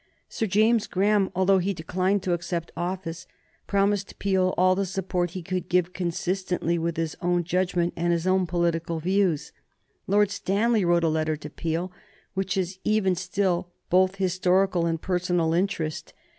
Sir James Graham, although he declined to accept office, promised Peel all the support he could give consistently with his own judgment and his own political views. Lord Stanley wrote a letter to Peel which has even still both historical and personal interest.